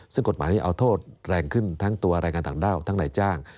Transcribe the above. ซึ่งกฎหมายนี้เอาโทษแรงขึ้นทั้งตัวแรงงานต่างด้าวทั้งนายจ้าง